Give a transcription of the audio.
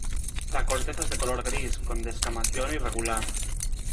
La corteza es de color gris, con descamación irregular.